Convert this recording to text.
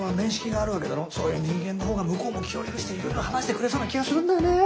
そういう人間のほうが向こうも気を許していろいろ話してくれそうな気がするんだよね。